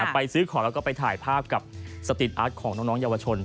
ไปซื้อของแล้วก็ไปถ่ายภาพกับสตีนอาร์ตของน้องเยาวชน